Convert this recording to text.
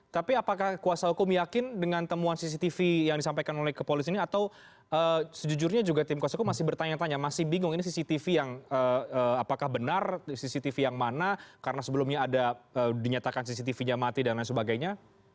tapi apakah kuasa hukum yakin dengan temuan cctv yang disampaikan oleh kepolisian ini atau sejujurnya juga tim kuasa hukum masih bertanya tanya masih bingung ini cctv yang apakah benar cctv yang mana karena sebelumnya ada dinyatakan cctv nya mati dan lain sebagainya